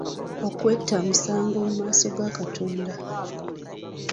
Okwetta musango mu maaso ga Katonda.